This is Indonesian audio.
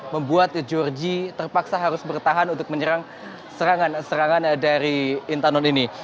membuat georgie terpaksa harus bertahan untuk menyerang serangan serangan dari intanon ini